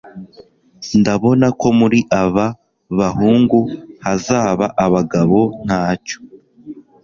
ndabona ko muri aba bahungu hazaba abagabo ntacyo